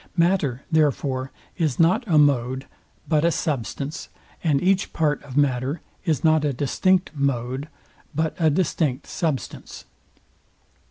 Matter, therefore, is not a mode but a substance, and each part of matter is not a distinct mode, but a distinct substance.